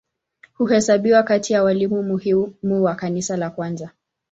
Huhesabiwa kati ya walimu muhimu wa Kanisa la kwanza.